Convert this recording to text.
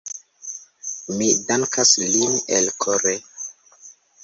Mi dankas lin elkore.